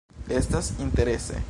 Estas interese.